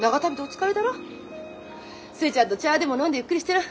寿恵ちゃんと茶でも飲んでゆっくりしてな。